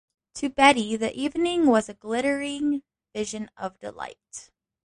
To Betty the evening was a glittering vision of delight.